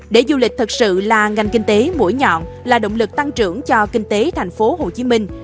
để du lịch thật sự là ngành kinh tế mũi nhọn là động lực tăng trưởng cho kinh tế thành phố hồ chí minh